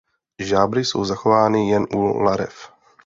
Žábry jsou zachovány jen u larev.